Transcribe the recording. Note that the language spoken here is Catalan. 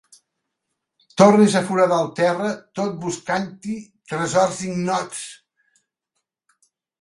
Tornis a foradar el terra tot buscant-hi tresors ignots.